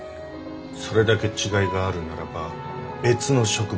それだけ違いがあるならば別の植物だろう。